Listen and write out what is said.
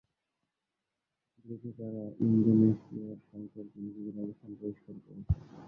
দ্রুত তারা ইন্দোনেশিয়ার সরকারকে নিজেদের অবস্থান পরিষ্কার করেছে।